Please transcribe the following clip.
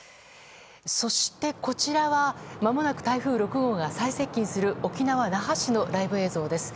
そしてこちらはまもなく台風６号が最接近する沖縄・那覇市のライブ映像です。